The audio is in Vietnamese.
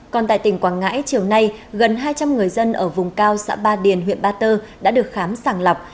còn tại tỉnh quảng ngãi chiều nay gần hai trăm linh người dân ở vùng cao xã ba điền huyện ba tơ đã được khám sàng lọc